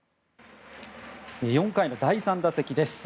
４回の第３打席です。